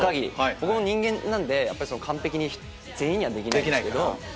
僕も人間なんで完璧に全員にはできないですけど。